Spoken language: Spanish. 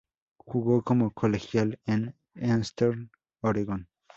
Jugo como colegial en Eastern Oregon.